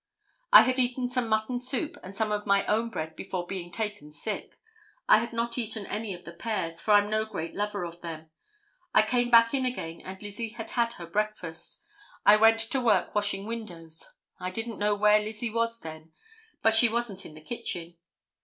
I had eaten some mutton soup and some of my own bread before being taken sick. I had not eaten any of the pears, for I'm no great lover of them. I came back in again and Lizzie had had her breakfast. I went to work washing windows, I didn't know where Lizzie was then, but she wasn't in the kitchen.